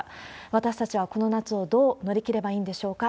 私たちはこの夏をどう乗り切ればいいんでしょうか。